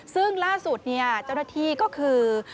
ซึ่งล่าสุดเนี่ยเจ้าหน้าที่ก็คือ